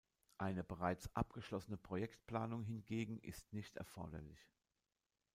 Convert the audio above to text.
Eine bereits abgeschlossene Projektplanung hingegen ist nicht erforderlich.